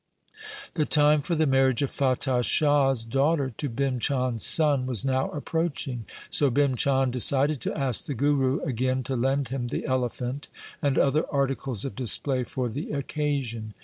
The time for the marriage of Fatah Shah's daughter to Bhim Chand' s son was now approaching, so Bhim Chand decided to ask the Guru again to lend him the elephant and other articles of display for the occasion.